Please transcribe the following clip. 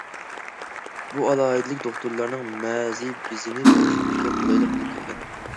بۇ ئالاھىدىلىك دوختۇرلارنىڭ مەزى بېزىنى تەكشۈرۈشىگە قولايلىق ئېلىپ كەلگەن.